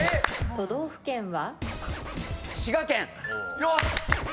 都道府県は？